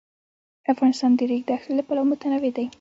افغانستان د د ریګ دښتې له پلوه متنوع دی.